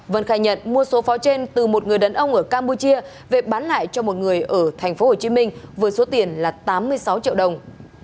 vân khai nhận mua số pháo trên từ một người đàn ông ở campuchia về bán lại cho một người ở tp hcm với số tiền là tám mươi sáu triệu đồng